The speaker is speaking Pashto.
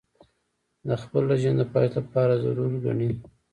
د خپل رژیم د پایښت لپاره ضرور ګڼي.